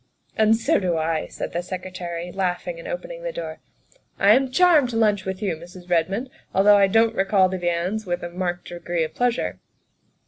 "And so do I," said the Secretary, laughing and opening the door. " I am charmed to lunch with you, Mrs. Redmond, although I don 't recall the viands with a marked degree of pleasure."